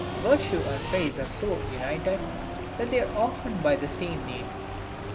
Virtue and praise are so united, that they are called often by the same name.